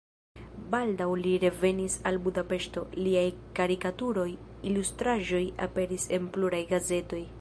Baldaŭ li revenis al Budapeŝto, liaj karikaturoj, ilustraĵoj aperis en pluraj gazetoj.